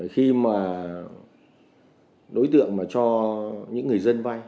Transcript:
khi mà đối tượng mà cho những người dân vay